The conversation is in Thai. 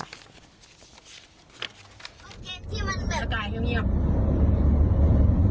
โอเคที่มันเสร็จอากาศเยี่ยมเยี่ยม